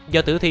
do tử thi